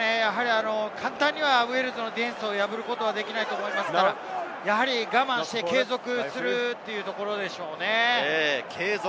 簡単にはウェールズのディフェンスを破ることはできないと思いますが、我慢して継続するというところでしょうね。